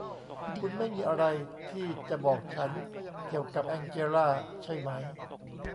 คุณไม่มีอะไรที่จะบอกฉันเกี่ยวกับแองเจลลาใช่ไหม